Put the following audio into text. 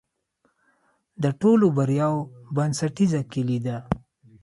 د ټولو بریاوو بنسټیزه کلي ده.